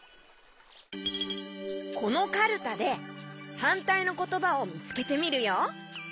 このカルタではんたいのことばをみつけてみるよ。